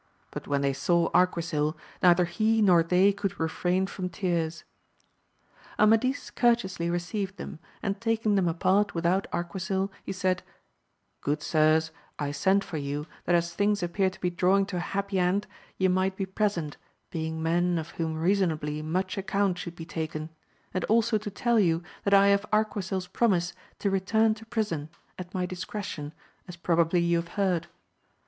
But when they saw Arquisil, neither he nor they could refrain from tears. Amadis courteously received them, and taking them apart without Arquisil, he said, Good sirs, 1 sent for you, that as things appear to be drawing to a happy end, ye might be present, being men of whom reasonably much account should be taken; and also to tell you, that I have ArquisiFs promise to return to prison, at my discretion, as probably you have heard.